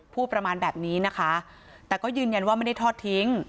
พูดประมาณแบบนี้นะคะแต่ก็ยืนยันว่าไม่ได้ทอดทิ้ง